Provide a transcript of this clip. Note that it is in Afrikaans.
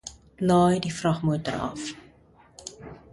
Laai die vragmotor af.